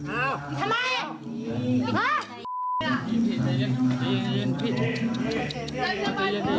ไอ้ทำไม